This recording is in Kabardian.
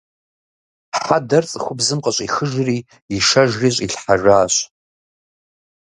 Хьэдэр цӀыхубзым къыщӀихыжри ишэжри щӀилъхьэжащ.